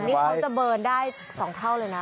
นี่เขาจะเบิร์นได้๒เท่าเลยนะ